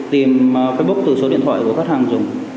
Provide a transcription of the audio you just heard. tìm facebook từ số điện thoại của khách hàng dùng